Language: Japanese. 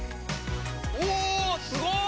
うおすごい！